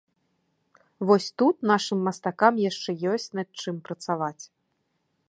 Вось тут нашым мастакам яшчэ ёсць над чым працаваць.